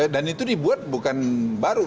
dan itu dibuat bukan baru